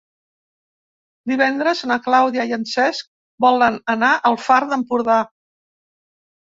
Divendres na Clàudia i en Cesc volen anar al Far d'Empordà.